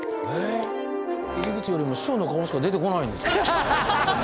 入り口よりも師匠の顔しか出てこないんですけど。